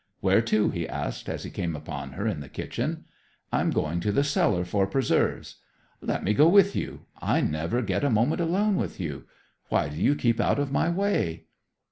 "Where to?" he asked, as he came upon her in the kitchen. "I'm going to the cellar for preserves." "Let me go with you. I never get a moment alone with you. Why do you keep out of my way?"